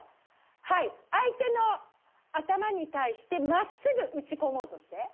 はい相手の頭に対してまっすぐ打ち込もうとして。